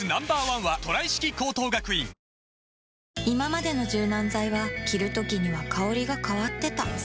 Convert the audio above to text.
いままでの柔軟剤は着るときには香りが変わってた